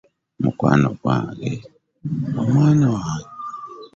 Omwami wange mukwano gwange.